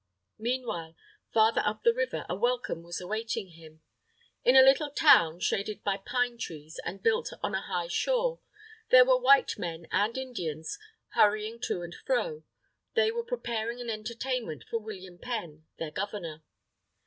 Meanwhile, farther up the river, a welcome was awaiting him. In a little town, shaded by pine trees and built on the high shore, there were white men and Indians hurrying to and fro. They were preparing an entertainment for William Penn, their Governor.